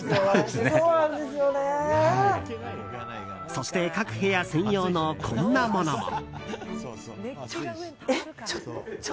そして各部屋専用のこんなものも。